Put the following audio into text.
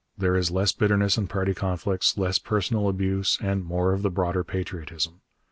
There is less bitterness in party conflicts, less personal abuse, and more of the broader patriotism.